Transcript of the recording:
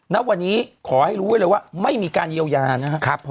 ณวันนี้ขอให้รู้ไว้เลยว่าไม่มีการเยียวยานะครับ